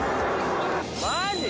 マジ？